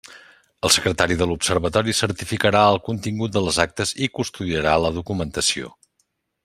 El secretari de l'Observatori certificarà el contingut de les actes i custodiarà la documentació.